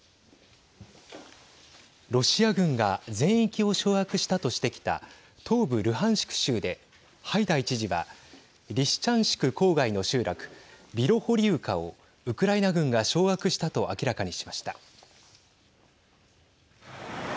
ロシア軍が全域を掌握したとしてきた東部ルハンシク州でハイダイ知事はリシチャンシク郊外の集落ビロホリウカをウクライナ軍が掌握したと明らかにしました。